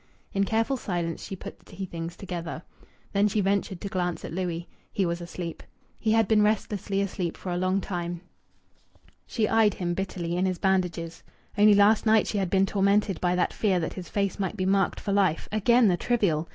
In careful silence she put the tea things together. Then she ventured to glance at Louis. He was asleep. He had been restlessly asleep for a long time. She eyed him bitterly in his bandages. Only last night she had been tormented by that fear that his face might be marked for life. Again the trivial!